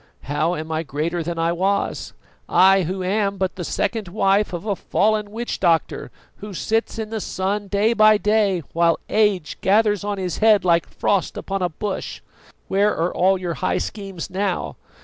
How am I greater than I was I who am but the second wife of a fallen witch doctor, who sits in the sun, day by day, while age gathers on his head like frost upon a bush? Where are all your high schemes now?